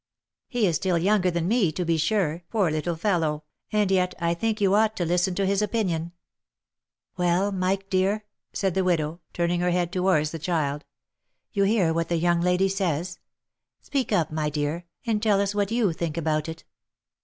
He is still younger than me, to be sure, poor little fellow, and yet I think you ought to listen to his opinion." " Well, Mike dear," said the widow, turning her head towards the child, " you hear what the young lady says ; speak up, my dear, and tell us what you think about it."